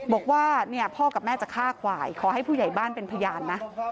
บอกว่าพ่อกับแม่จะฆ่าควายขอให้ผู้ใหญ่บ้านเป็นพยานนะ